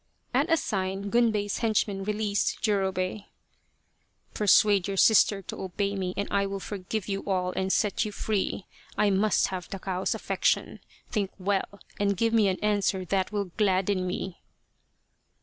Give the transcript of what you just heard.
At a sign Gunbei's henchmen released Jurobei. " Persuade your sister to obey me and I will forgive you all and set you free. I must have Takao's affec tion. Think well, and give me an answer that will gladden me."